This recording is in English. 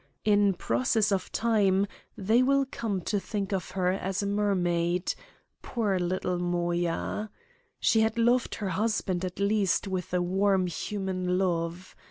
In process of time they will come to think of her as a mermaid, poor little Moya. She had loved her husband at least with a warm human love.